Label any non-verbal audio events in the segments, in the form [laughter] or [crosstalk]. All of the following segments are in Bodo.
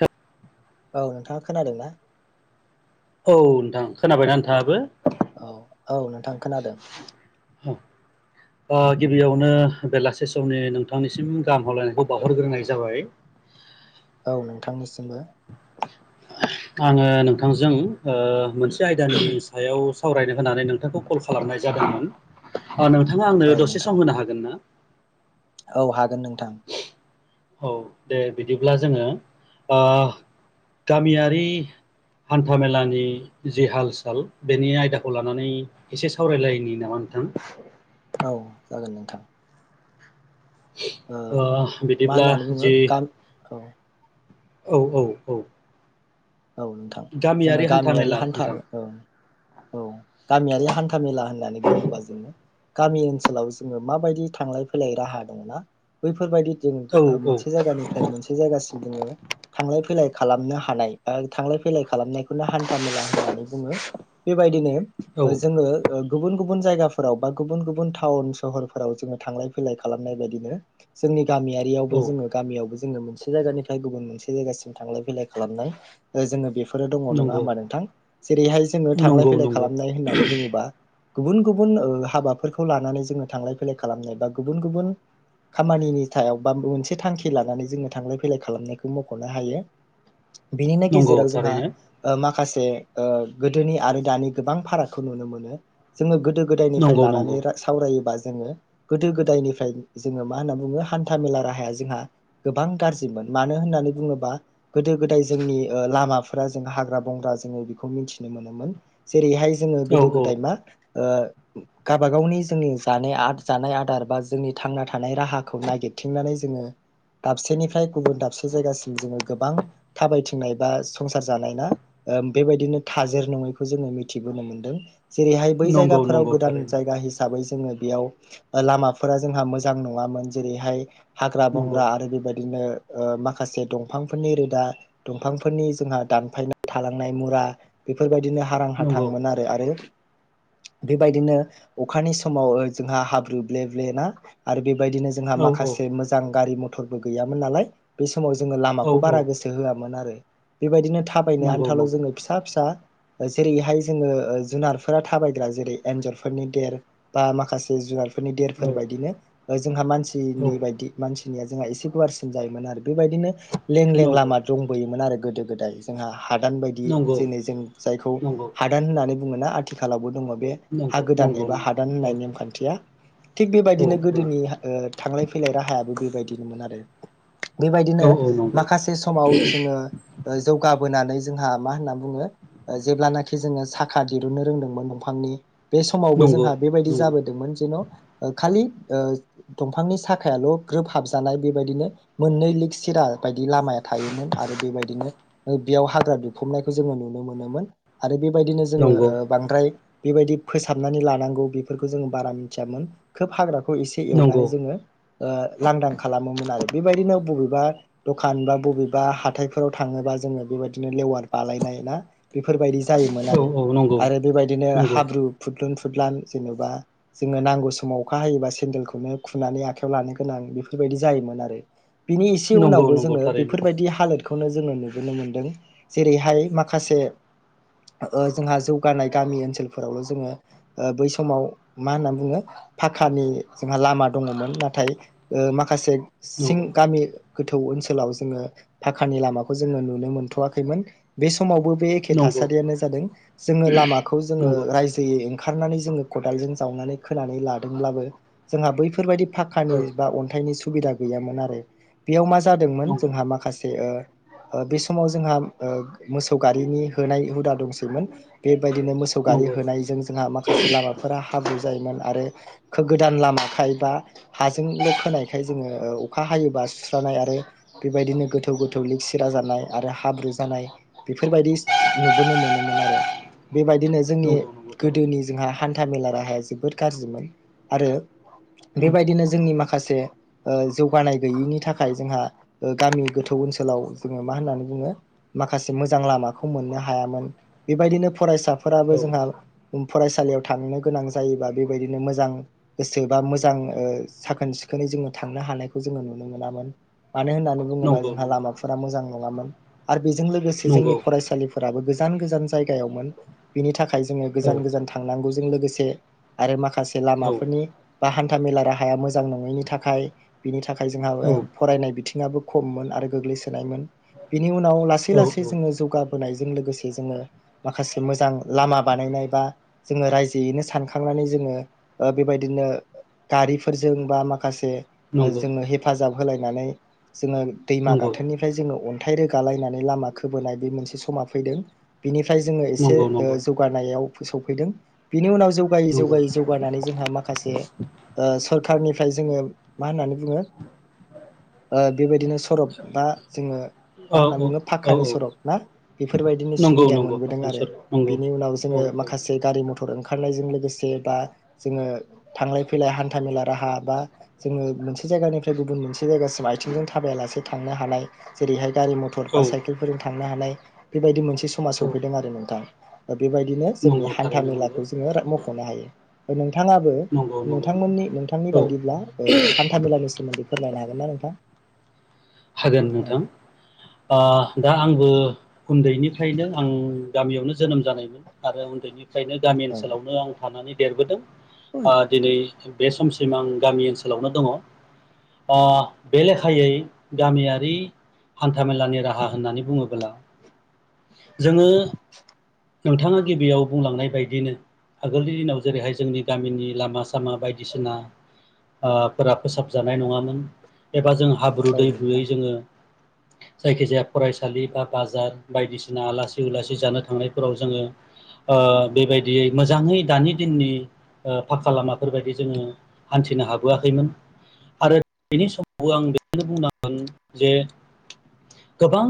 हो औ नोंथाङा खोनादों ना औ नोंथां खोनाबायना नोंथाङाबो औ-औ नोंथां खोनादों ओ गिबियावनो बेलासे समनि नोंथांनिसिम गाहाम हामलायनायखौ बावहरग्रोनाय जाबाय [inaudible] औ नोंथांनिसिमबो आङो नोंथांजों ओ मोनसे आयदानि सायाव सावरायनो होनानै नोंथांखौ कल खालामनाय जादोंमोन ओ नोंथाङा आंनो औ दसे नोंथां सम होनो हागोन ना औ हागोन नोंथां औ दे बिदिब्ला जोङो ओ गामियारि हान्था मेलानि जि हाल - साल बेनि आयदाखौ लानानै एसे सावरायलायनि नामा थां औ जागोन नोंथां ओ मा बिदिब्ला होननानै बुङो जि गाम औ औ-औ-औ औ नोंथां जोङो गामियारि मेला हान्था नोंथां ओ औ गामियारि हान्था -मेला होननानै बुङोबा जोंङो गामि ओनसोलाव जोङो माबायदि थांलाय -फैलाय राहा दङना बैफोरबायदि जों औ ओ औ मोनसे जायगानिफ्राय मोनसे जायगासिम जोङो थांलाय फैलाय खालामनो हानाय ओ थांलाय -फैलाय खालामनायखौनो हान्था- मेला होननानै बुङो बेबायदिनो औ ओ जोङो ओं गुबुन-गुबुन जायगाफोराव बा गुबुन-गुबुन टाउन सहरफोराव जोङो थांलाय फैलाय खालामनाय बायदिनो जोंनि गामियारियावबो औ जोङो गामियावबो जोङो मोनसे जायगानिफ्राय गुबुन मोनसे जायगासिम थांलाय - फैलाय खालामनाय ओ जोङो बे फोरनो दङ नङा नंगौ होमबा नोंथां जेरैहाय जोङो थांलाय नंगौ फैलाय नंगौ खालामनाय होननानै बुङोबा गुबुन-गुबुन ओ हाबाफोरखौ लानानै जोङो थांलाय- फैलाय खालामनाय बा गुबुन-गुबुन खामानिनि थायाव बा मोनसे थांखि लानानै जोङो थांलाय फैलाय खालामनायखौ मख'नो हायो बिनिनो नंगौ गेजेराव जोंहा थारैनो ओ माखासे हे ओ गोदोनि आरो दानि गोबां फारागखौ नुनो मोनो जोङो गोद दो गोदायनिफ्राय नंगौ नंगौ लानानै ला सावरायोबा जोङो गोदो गोदायनिफ्राय जोङो मा होनना बुङो हान्था मेला राहाया जोंहा गोबां गाज्रिमोन मानो होननानै बुङोबा गोदो गोदाय जोंनि ओ लामाफोरा जों हाग्रा बंग्रा जोङो बेखौ मिथिनो मोनोमोन जेरैहाय जोङो औ गोदो औ गोदाय मा ओ गाबा गावनि जोंनि जानाय आद जानाय आदार बा जोंनि थांना था हानाय राहाखौ नागिरथिंनानै जोङो दाबसेनिफ्राय गुबुन दाबसे जायगासिम जोङो गोबां होनाय बा संसार जानाय ना ओ बेबायदिनो थाजिर नङैखौ जोङो मिथिबोनो मोनदों जेरैहाय बै नंगौ जायगाफोराव नंगौ गोदान थारैनो जायगा हिसाबै जोङो बेयाव ओ लामाफोरा जोंहा मोजां नङामोन जेरैहाय हाग्रा नंगौ बंग्रा आरो बेबायदिनो ओ माखासे दंफांफोरनि रोदा दंफांफोरनि जोंहा दानफायनाय थालांनाय मुरा बेफोरबायदि दिनो हारां नंगौ हाथांमोन आरो आरो बेबायदिनो अखानि समाव जोंहा हाब्रु ब्ले ब्लेना आरो बेब बायदिनो जोंहा औ औ माखासे मोजां गारि मटरबो गैयामोन नालाय बे समाव जोङो औ लामाखौ बारा औ गोसो होआ मोन आरो बेबायदिनो थाबायनो नंगौ आनथाल' नंगौ जोङो फिसा फिसा जेरैहाय जोङो ओ जुनारफोरा थाबायग्रा जेरै एन्जरफोरनि देर बा माखासे जुनार फोरनि देरफोर औ बायदिनो ओ जोंहा औ मानसिनि बायदि मान सिना जोंहा एसे गुवारसिन जायोमोन आरो बेबायदिनो लें लें नंगौ लामा मोन आरो गोदो गोदाय जोंहा हादान बायदि नंगौ जेनै जों जायखौ नंगौ हादान होननानै बुङोना आथिखालावबो दङ बे हा नंगौ नंगौ गोदान नंगौ एबा हादान औ होननाय नेमखान्थिया। थिग औ बेबायदिनो गोदोनि ओ थांलाय फैलाय राहायाबो बेबायदिनोमोन आरो। बेबायदिनो औ औ नंगौ माखासे समाव जोङो ओ जौगाबो बोनानै जोंहा मा होन्ना बुङो ओ जेब्लानाखि जोङो साखा दिरुननो रोंदोंमोन दंफांनि बे समावबो नंगौ जोंहा बेबायदि जाबोदोंमोन जेन' ओ खालि ओ दंफांनि साखायाल' ग्रोब हाबजानाय बेबायदिनो मोननै लिग सिरा बायदि ला थायोमोन आरो बेबायदिनो ओ बेयाव हाग्रा दुंफबनायखौ जोङो नुनो मोनोमोन आरो बे बेबायदिनो जोङो नंगौ ओ बांद्राय बेबायदि फोसाबनानै लानांगौ बेफोरखौ जोङो बारा मिथियामोन खोब हाग्रा खौ एसे नंगौ एवनानै जोङो ओ लांदां खालामोन आरो बेबादिनो बबेबा दखान बा बबेबा हाथायफोराव थाङोबा जोङो बेबायदिनो लेवार बालायनाय ना बेफोरबायदि जायोमोन औ आरो औ नंगौ आरो बेबायदिनो नंगौ हाब्रु फुद्रुन फु फुदलान जेन'बा जोंनो नांगौ समाव अखा हायोबा सेन्देलखौनो खुनानै आखायाव लानो गोनां बेफोरबाय बिदि जायोमोन आरो। बिनि इसे नंगौ उनावबो नंगौ जोङो थारैनो बेफोरबायदि हालोदखौनो जोङो नुबोनो मोनदों। जेरैहाय माखासे ओ जोंहा जौगानाय गामि ओनसोलफोरावल' जोङो ओ बै समाव मा होनना बुङो फाखानि जोंहा लामा दङमोन नाथाय ओ माखासे सिं नंगौ गामि गोथौ ओनसोलाव जोङो फाखानि लामाखौ जोङो नुनो मोनथ'याखैमोन बे स समावबो बे एखे नंगौ थासारियानो जादों जोङो लामाखौ जोङो नंगौ राइजोयै ओंखारनानै जोङो खदालजों जावनानै खोनानै लादोंब्लाबो जोंहा बैफोरबायदि औ फाखानि बा अन्थाइनि सुबिदा गैयामोन आरो बेयाव मा जा नंगौ जोंहा नंगौ माखासे ओ ओ बे समाव जोंहा ओ मोसौ गारिनि होनाय हुदा दंसैमोन बे बायदिनो मोसौ गारि नंगौ होनायजों जोंहा माखासे लामाफोरा हाब्रु जायोमोन आरो खोगोदान लामाखाय बा हाजों ल' खोनायखाय जोङो ओ अखा हायोबा सुस्रानाय आरो बेबायदिनो गोथौ गोथौ लिग सिरा जानाय आरो हाब्रु जानाय बेफोरबायदि नुबोनो मोनो मोन आरो। बेबायदिनो जोंनि नंगौ नंगौ थारैनो गोदोनि जोंहा हान्था मेला राहाया जोबोद गाज्रिमोन आरो नंगौ बेबायदिनो जोंनि माखासे ओ जौगानाय गैयिनि थाखाय जोंहा ओ गामि गोथौ ओनसोलाव जोङो मा होननानै बुङो माखासे मोजां लामाखौ मोननो हायामोन। बेबायदिनो फरायसाफोराबो औ जोंहा फरायसालियाव थांनो गोनां जायोबा बेबायदिनो मोजां गोसो बा मोजां ओ साखोन सि खोनै जोङो थांनो हानायखौ जोङो नुनो मोनामोन। मानो होननानै बुङोबा नंगौ जोंहा नंगौ लामाफोरा मोजां नङामोन आरो बेजों लोगोसे जोंनि नंगौ फरायसालिफोराबो गो जान गोजान जायगायावमोन बिनि थाखाय जोङो औ गोजान गोजान थांनांगौजों लोगोसे आरो माखा खासे औ लामाफोरनि बा हान्थामेला राहाया मोजां नङैनि थाखाय बिनि था खाय जोंहा औ ओ फरायनाय बिथिङाबो खममोन आरो गोग्लैसोनायमोन बि नि उनाव लासै औ लासै औ जोङो जौगा बोनाय जों लोगोसे जोङो माखासे मोजां लामा बानायनाय बा जोङो रायजोयैनो सानखां नानै जोङो ओ बेबायदिनो गारिफोरजों बा माखासे नंगौ जोंनो हेफाजाब होलायनानै जोङो दैमा नंगौ गाथोननिफ्राय जोंङो अन थाइ रोगा लायनानै लामा खोबोनाय बे मोनसे समा फैदों बिनि फ्राय जोङो एसे नंगौ ओ नंगौ जौगानायाव बो सफैदों बिनि उनाव जौगायै नंगौ जौगायै जौगानानै जोंहा माखासे ओ सखारनिफ्राय जोङो मा होननानै बुङो ओ बेबायदिनो सरब बा जोङो औ मा होनना बुङो औ फाखानि औ सरक ना बेफोरबायदिनो नंगौ सुबिदा नंगौ मोनबोदों हाफानि आरो सर नंगौ बेनि उनाव औ जोङो माखासे गारि मथर ओंखारनायजों लोगोसे बा जोङो थांलाय फैलाय हान्था मेला राहा बा जोङो मोनसे जायगानिफ्राय गुबुन मोनसे जायगासिम आथिंजों थाबायलासे थांनो हानाय जेरैहाय गारि मथर औ बा साइकेलफोरजों थ थांनो हानाय बेबायदि मोनसे समाज औ सफैदों आरो नोंथां बेबायदिनो जोंनि नंगौ हान्था थारैनो नंगौ मेलाखौ जोङो मख'नो हायो नोंथाङाबो नंगौ नंगौ नोंथां नोंथांमोननि नोंथांनि औ बायदिब्ला ओ हान्था मेलानि सोमोन्दै फोरमायनो हागोन ना नोंथां? हागोन औ नोंथां ओ दा आंबो उन्दैनिफ्रायनो आं गामियावनो जोनोम जानायमोन आरो उन्दैनिफ्राय ओंखायनो गामि ओनसोलावनो आं थानानै देरबोदों औ ओ दिनै बे समसिम आं गामि ओनसोलावनो दङ ओ बे लेखायै गामियारि हान्थामेलानि राहा होननानै बुङोब्ला जोङो नोंथाङा गिबियाव बुंलांनाय बायदिनो आगोलनि दिनाव जेरैहाय जोंनि गामिनि लामा सामा बायदिसिना ओ फोर फोसाबजानाय नङामोन एबा जों हाब्रु औ दै ब्रुयै नोंथां जोङो जायखिजाया फरायसालि बा बाजार बायदिसिना आलासि उलासि जानो थांनायफोराव जोङो ओ बेबायदियै मोजाङै दानि दिननि ओ फाखा लामाफोरबायदि जोङो नो हाबोआखैमोन आरो बेनि समावबो आं बेखौनो [unintelligible] मोन जे गोबां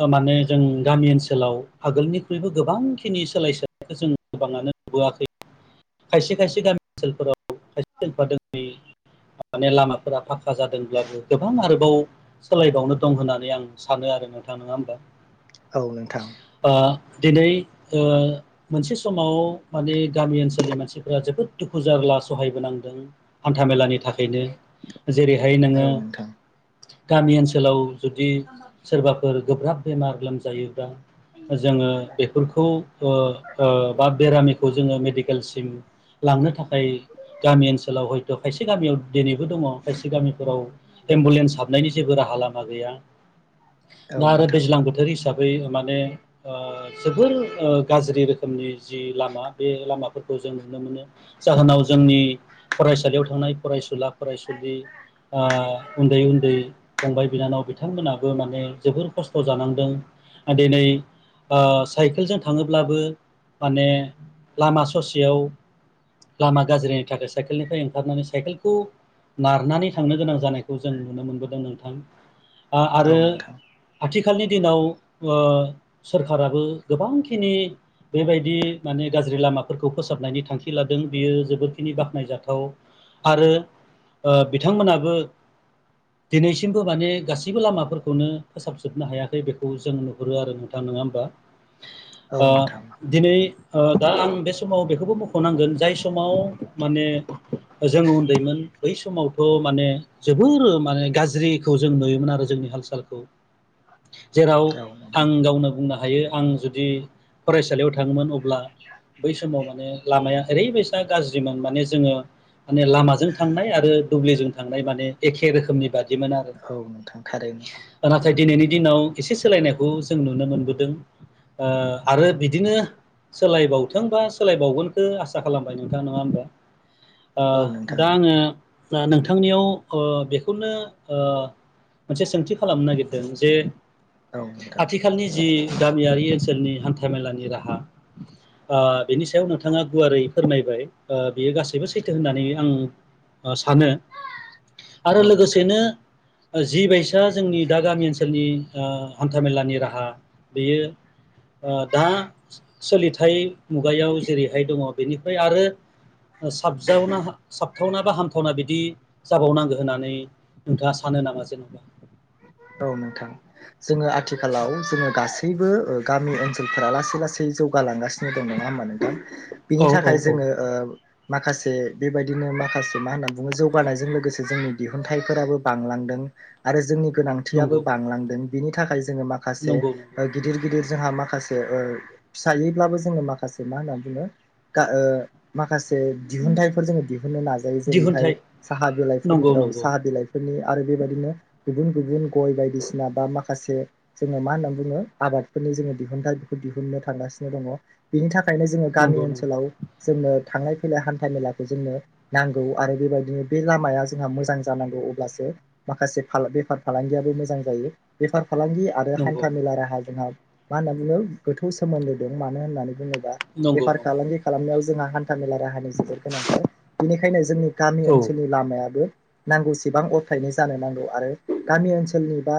ओ माने जों गामि ओनसोलाव आगोलनिख्रुइबो गोबांखिनि सोलाय सोलाय खौ जों गोबाङानो नुबोआखै खायसे खायसे गामि ओनसोलफोराव खायसे [unintelligible] माने लामाफोरा फाखा जादोंब्लाबो गोबां आरोबाव सोलायबावनो दं होननानै आं सानो आरो नोंथां नङा होमबा। औ नोंथां। ओ दिनै ओ मोनसे समाव माने गामि ओनसोलाव मानसिफोरा जोबोद दुखु जारला सहायबोनांदों हान्था मेलानि थाखाय थाखायनो जेरैहाय औ नोङो नोंथां गामि ओनसोलाव जुदि सोरबाफोर गोब्राब बेमार लोमजायोब्ला जोङो बेफोरखौ ओ ओ बा बेरामिखौ जोङो मेडिकेल लांनो थाखाय गामि ओनसोलाव हयथ' खायसे गामियाव दिनैबो दङ खायसे गामिफोराव एम्बुलेन्स हाबनायनि जेबो राहा लामा गैया औ दा आरो नोंथां दैज्लां बोथोर हिसाबै ओय माने ओ जोबोर ओ गाज्रि रोखोमनि जि लामा बे लामाखौ फोरखौ जों नुनो मोनो जाहोनाव जोंनि फरायसालियाव थानाय फरायसुला फरायसुलि ओ उन्दै उन्दै फंबाय बिनानाव बिथांमोनाबो माने जोबोर खस्थ' जानांदों दिनै ओ साइकेलजों थाङोब्लाबो माने लामा ससेयाव लामा गाज्रिनि थाखाय साइकेलनिफ्राय ओंखारनानै साइकेलखौ नारनानै थांनो गोनां जानायखौ जों नुनो मोनबोदों नोंथां आ आरो औ नोंथां आथिखाल आथिखालनि दिनाव ओ सोरखाराबो गोबांखिनि बेबायदि माने गाज्रि लामाखौ फोरखौ फोसाबनायनि थांखि लादों बियो जोबोदखिनि बाख्नायजाथाव आरो ओ बिथांमोनाबो दिनैसिमबो माने गासैबो लामाफोरखौनो फोसाबजोबनो हायाखै बेखौ जों नुहुरो आरो नोंथां नङा होनबा औ ओ नोंथां दिनै ओ दा आं समाव बेखौबो मख'नांगोन जाय समाव माने जों उन्दैमोन बै समावथ' माने जोबोर माने गाज्रिखौ जों नुयोमोन आरो जोंनि हाल सालखौ जेराव औ आं नोंथां गावनो बुंनो हायो आं जुदि फरायसालियाव थाङोमोन अ अब्ला बै समाव माने लामाया ओरैबायसा गाज्रिमोन माने जोङो माने लामाजों थांनाय आरो दुब्लिजों थांनाय माने एखे रोखोमनि बादि बादि औ नोंथां थारैनो मोन नाथाइ दिनैनि दिनाव एसे सोलायनायखौ जों नुनो मोनबोदों ओ आरो बिदिनो सोलायबावदों नोंथांबा सोलायबावगोनखौ आसा खालामबाय नोंथाङा नङा होनबा ओ औ नोंथां दा आङो दा नोंथांनियाव ओ बेखौनो ओ मोनसे सोंथि खालामनो नागिरदों जे औ नोंथां आथिखालनि जि गामियारि ओनसोलनि हान्थ मेलानि राहा ओ बेनि सायाव नोंथाङा गुवारै फोरमायबाय ओ बियो गासैबो सैथो होननानै आं सानो आरो औ नोंथां लोगोसेनो जि बाय सा जोंनि दा गामि ओनसोलनि ओ हान्थाामेलानि राहा बेयो दा सोलिथायाइ मुगायाव जेरैहाय दङ बेनिफ्राय आरो साबजावना हा साबजावना हाबथावना बा हामथावना बिदि जाबावनांगौ होननानै नोंथाङा सानो नामा जेन'बा औ नोंथां जोङो आथिखालाव जोङो गासैबो गामि जोंनि ओनसोलफोरा लासै लासै जौगालांगासिनो दं नङा हबा नोंथां औ बिनि औ थाखाय औ जोङो ओ माखासे बेबायदिनो माखासे मा होनना बुङो जौगानायजों लोगोसे जोंनि दिहुनथाइफोराबो बांलांदों आरो जोंनि गोनांथियाबो नंगौ बांलांदों बिनि थाखाय जोङो माखासे नंगौ नंगौ गिदिर गिदिर जोंहा माखासे ओ फिसायैब्लाबो जोङो माखासे मा होनना बुङो [unintelligible] माखासे दिहुनथाइफोर जोङो दिहुन नो नायो जेरैहाय दिहुनथाइ साहा बिलाइफोरनि नंगौ औ नंगौ साहा बिलाइफोरनि आरो बेबायदिनो गुबुन गुबुन गय बायदिसिना बा माखासे जोङो मा होननानै बुङो आबादफोरनि जोङो दिहुनथाइ बेखौ दिहुननो थांगासिनो दङ बेनि थाखायनो जोङो गामि नंगौ नंगौ ओनसोलाव जोंनो थांलाय फैलाय हान्था मेलाखौ जोंनो नांगौ आरो बेबायदिनो बे लामाया जोंहा मोजां जानांगौ अब्लासो माखासे बेफार फालांगियाबो मोजां जायो बेफार फालांगि आरो नंगौ हान्था मेला राहा जोंहा मा होनना बुङो गोथौ सोमोन्दो दं मानो होननानै बुङोबा नंगौ बेफार नंगौ फालांगि खालामनायाव जोंहा हान था मेला राहानि जोबोर गोनांथार बेनिखायनो जोंनि गामि औ ओनसोलनि लामायाबो नांगौसेबां अर्थायनि जानो नांगौ आरो गामि ओनसोलनिबा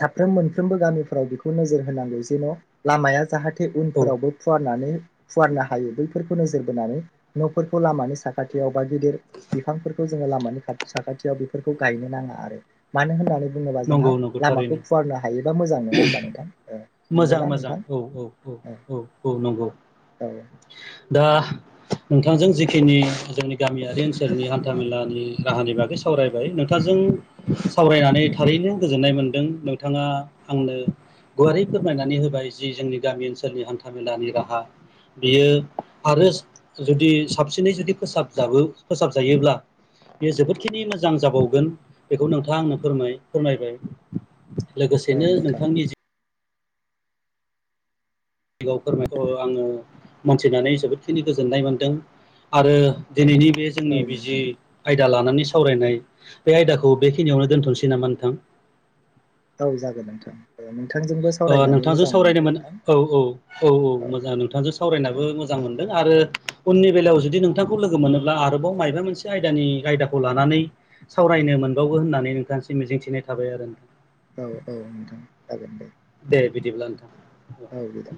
साफ्रोम मोनफ्रोमबो गामिफोराव बेखौ नोजोर होनांगौ जेन' लामाया जाहाथे बे औ उनफोरावबो फुवारनानै फुवारनो हायो बैफोरखौ नोजोर बोनानै न'फोरखौ लामानि साखाथियाव गिदिर बिफांफोरखौ जोङो लामानि साखाथियाव बेफोरखौ गायनो नाङा आरो मानो होननानै बुङोबा नंगौ जोंहा नंगौ थारैनो लामाखौ फुवारनो हायोबा मोजां नङा होमबा नोंथां मोजां नंगौना मोजां नोंथां औ औ औ औ औ नंगौ औ दा नोंथांजों जिखिनि जोंनि गामियारि ओनसोलनि हान्थामेलानि राहानि बागै सावरायबाय नोंथांजों सावरायनानै थारैनो गोजोननाय मोनदों नोंथाङा आंनो गुवारै फोरमायनानै होबाय जि जोंनि गामि ओनसोलनि हान्थामेलानि राहा बियो आरो जुदि साबसिनै जुदि फोसाबजाबो फोसाबजायोब्ला बेयो जोबोदखिनि मोजां जाबावगोन बेखौ नोंथाङा आंनो फोरमाय फोरमायबाय औ लोगोसेनो नोंथां नोंथांनि जि गाव फोरमायखौ आङो मोनथिनानै जोबोदखिनि गोजोननाय मोनदों ‌आरो दिनैनि बे जोंनि औ बिजि नोंथां [unintelligible] आयदा लानानै सावरायनाय बे आयदाखौ बेखिनियावनो दोनथ'सै नामा नोंथां! औ जागोन नोंथां। नोंथांजोंबो सावरायनानै नोंथांजों मोजां मोनदों सावरायनोमोन नोंथां औ औ औ औ मोजां नोंथांजों सावरायनाबो मोजां मोन दों आरो उननि बेलायाव जुदि नोंथांखौ लोगो लोगो मोनोब्ला आरोबाव मायाबा मोनसे आयदानि आयदाखौ लानानै सावरायनो मोनबावो होननानै नोंथांनिसिम मि जिंथिनाय थाबाय आरो औ औ नोंथां जागोन दे दे बिदिब्ला नोंथां औ [unintelligible]